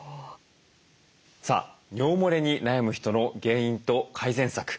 さあ尿もれに悩む人の原因と改善策。